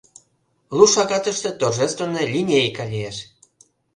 Лу шагатыште торжественный линейка лиеш.